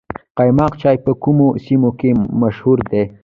قیماق چای په کومو سیمو کې مشهور دی؟